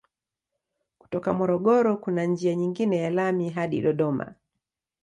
Kutoka Morogoro kuna njia nyingine ya lami hadi Dodoma.